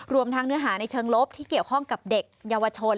รวมทั้งเนื้อหาในเชิงลบที่เกี่ยวข้องกับเด็กเยาวชน